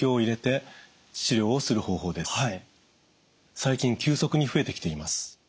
最近急速に増えてきています。